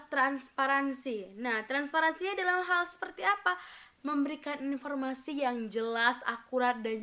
transparansi nah transparansinya dalam hal seperti apa memberikan informasi yang jelas akurat dan